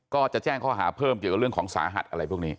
ก็จะแจ้งข้อหาเพิ่มเกี่ยวกับเรื่องของสาหัสอะไรพวกนี้